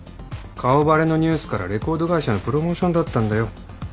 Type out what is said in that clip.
顔バレのニュースからレコード会社のプロモーションだったんだよ。